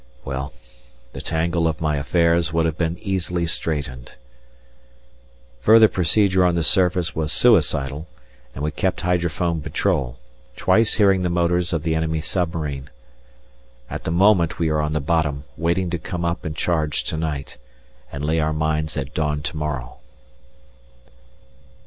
well, the tangle of my affairs would have been easily straightened. Further procedure on the surface was suicidal, and we kept hydrophone patrol, twice hearing the motors of the enemy submarine. At the moment we are on the bottom waiting to come up and charge to night, and lay our mines at dawn to morrow.